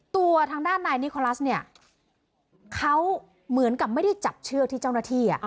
ตัวทางด้านนายนิโคลัสเนี่ยเขาเหมือนกับไม่ได้จับเชือกที่เจ้าหน้าที่